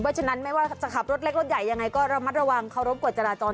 เพราะฉะนั้นไม่ว่าจะขับรถเล็กรถใหญ่ยังไงก็ระมัดระวังเคารพกฎจราจร